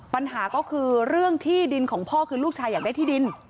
ปัญหาก็คือเรื่องที่ดินของพ่อคือลูกชายอยากได้ที่ดิน